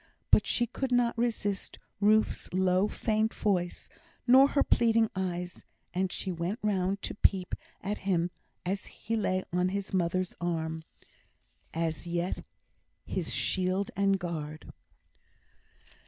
But she could not resist Ruth's low faint voice, nor her pleading eyes, and she went round to peep at him as he lay in his mother's arm, as yet his shield and guard.